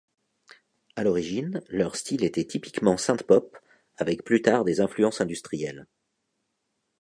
À l'origine, leur style était typiquement synthpop, avec plus tard des influences industrielles.